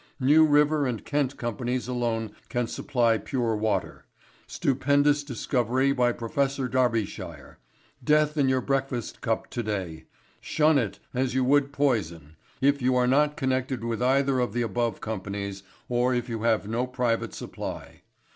New River and Kent Companies alone can supply pure water. Stupendous discovery by Professor Darbyshire. Death in your breakfast cup to day. Shun it as you would poison. If you are not connected with either of the above companies, or if you have no private supply.